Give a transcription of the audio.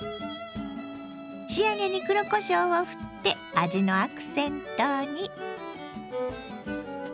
仕上げに黒こしょうをふって味のアクセントに。